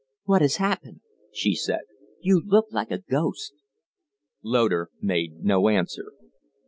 "What has happened?" she said. "You look like a ghost." Loder made no answer.